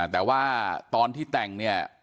แต่ว่าตอนที่แต่งเนี่ย